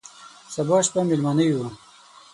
سبا شپه مېلمانه یو،